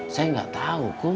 saya nggak tahu kuh